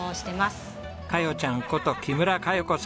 カヨちゃんこと木村香葉子さん。